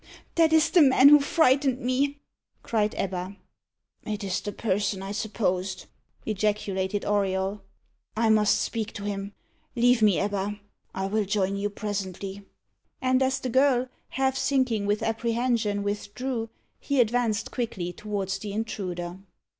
"That is the man who frightened me!" cried Ebba. "It is the person I supposed!" ejaculated Auriol. "I must speak to him. Leave me, Ebba. I will join you presently." And as the girl, half sinking with apprehension, withdrew, he advanced quickly towards the intruder.